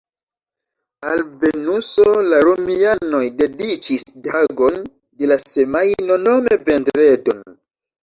Al Venuso la romianoj dediĉis tagon de la semajno, nome vendredon.